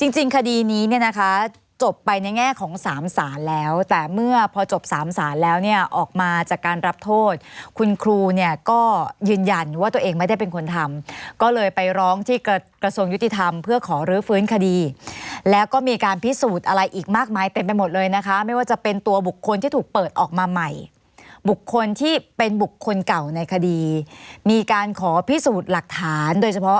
จริงคดีนี้เนี่ยนะคะจบไปในแง่ของสามสารแล้วแต่เมื่อพอจบสามสารแล้วเนี่ยออกมาจากการรับโทษคุณครูเนี่ยก็ยืนยันว่าตัวเองไม่ได้เป็นคนทำก็เลยไปร้องที่กระทรวงยุติธรรมเพื่อขอรื้อฟื้นคดีแล้วก็มีการพิสูจน์อะไรอีกมากมายเต็มไปหมดเลยนะคะไม่ว่าจะเป็นตัวบุคคลที่ถูกเปิดออกมาใหม่บุคคลที่เป็นบุคคลเก่าในคดีมีการขอพิสูจน์หลักฐานโดยเฉพาะ